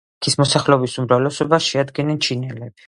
ქალაქის მოსახლეობის უმრავლესობას შეადგენენ ჩინელები.